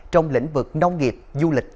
trong lĩnh vực nông nghiệp du lịch doanh nghiệp